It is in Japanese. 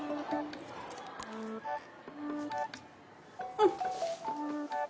うん。